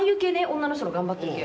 女の人が頑張ってる系。